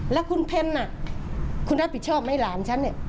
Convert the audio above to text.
แล้วคุณเพลินคุณนักผิดชอบไหมหลานฉัน